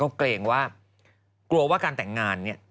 ก็เกรงว่ากลัวว่าการแต่งงานเนี่ย